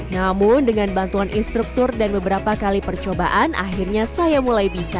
namun dengan bantuan instruktur dan beberapa kali percobaan akhirnya saya mulai bisa